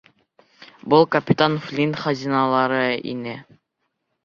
Был капитан Флинт хазиналары ине.